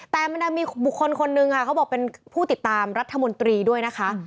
แต่มันยังมีบุคคลคนนึงค่ะเขาบอกเป็นผู้ติดตามรัฐมนตรีด้วยนะคะ